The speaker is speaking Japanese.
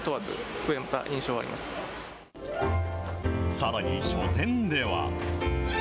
さらに書店では。